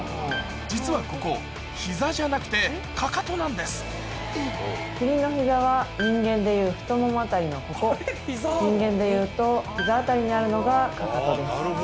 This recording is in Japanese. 実はここ、キリンのひざは人間でいう太もも辺りのここ、人間でいうとひざ辺りにあるのがかかとです。